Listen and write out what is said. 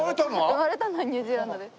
生まれたのはニュージーランドです。